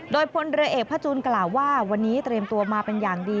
โดยพลเรือเอกพระจูนกล่าวว่าวันนี้เตรียมตัวมาเป็นอย่างดี